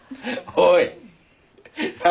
おい。